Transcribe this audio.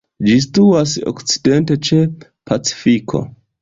Ĝi situas okcidente ĉe Pacifiko.